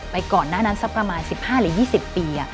ก่อนหน้านั้นสักประมาณ๑๕หรือ๒๐ปี